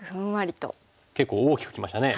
結構大きくきましたね。